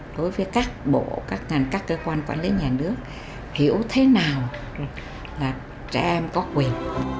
đối với các bộ các ngành các cơ quan quản lý nhà nước hiểu thế nào là trẻ em có quyền